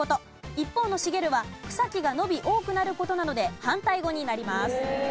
一方の茂るは草木が伸び多くなる事なので反対語になります。